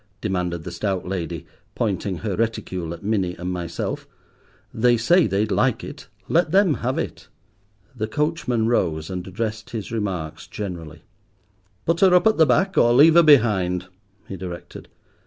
demanded the stout lady, pointing her reticule at Minnie and myself; "they say they'd like it. Let them have it." The coachman rose, and addressed his remarks generally. "Put her up at the back, or leave her behind," he directed.